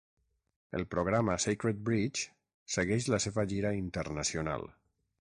El programa "Sacred Bridge" segueix la seva gira internacional.